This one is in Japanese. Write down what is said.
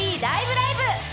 ライブ！」！